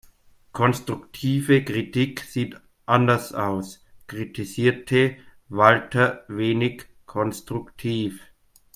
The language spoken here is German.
Konstruktive Kritik sieht anders aus, kritisierte Walter wenig konstruktiv.